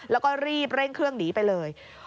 แล้วก็รีบเร่งเครื่องหนีไปเลย